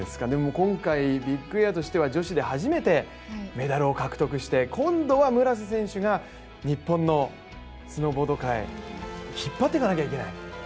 今回、ビッグエアとしては女子で初めてメダルを獲得して、今度は村瀬選手が日本のスノーボード界を引っ張っていかなきゃいけない。